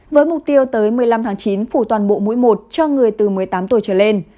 với mục tiêu tới một mươi năm tháng chín phủ toàn bộ mũi một cho người từ một mươi tám tuổi trở lên